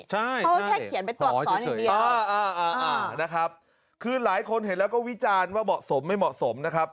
ใช่พอแค่เขียนไปตรวจสอนอย่างเดียวอ่านะครับคือหลายคนเห็นแล้วก็วิจารณ์ว่าเหมาะสมไม่เหมาะสมนะครับ